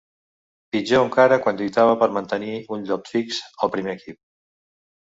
Pitjor encara quan lluitava per mantenir un lloc fix al primer equip.